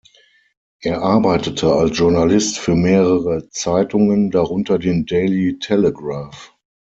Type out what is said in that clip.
Er arbeitete als Journalist für mehrere Zeitungen, darunter den "Daily Telegraph".